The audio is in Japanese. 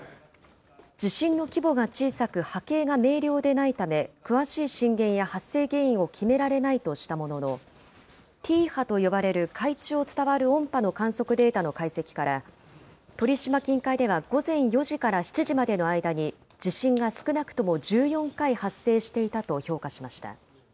地震の規模が小さく波形が明瞭でないため、詳しい震源や発生原因を決められないとしたものの、Ｔ波と呼ばれる海中を伝わる音波の観測データの解析から、鳥島近海では午前４時から７時までの間に地震が少なくとも１４回発生していたと評価しました。